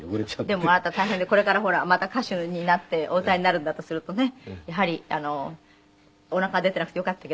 でもあなた大変でこれからほらまた歌手になってお歌いになるんだとするとねやはりおなかが出ていなくてよかったけど。